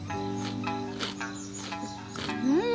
うん！